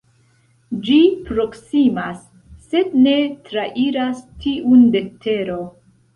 Ĝi proksimas sed ne trairas tiun de Tero.